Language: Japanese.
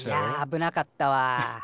いや危なかったわ。